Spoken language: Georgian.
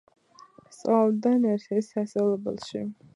სწავლობდა ნერსესის სასწავლებელში.